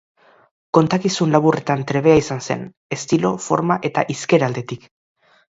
Kontakizun laburretan trebea izan zen, estilo-, forma- eta hizkera-aldetik.